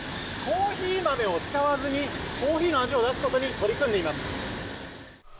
コーヒー豆を使わずにコーヒーの味を出すことに取り組んでいます。